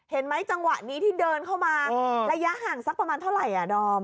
จังหวะนี้ที่เดินเข้ามาระยะห่างสักประมาณเท่าไหร่อ่ะดอม